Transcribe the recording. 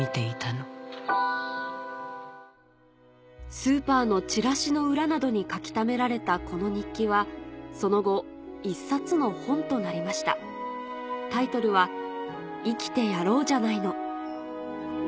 スーパーのチラシの裏などに書きためられたこの日記はその後一冊の本となりましたタイトルは「生きてやろうじゃないの！」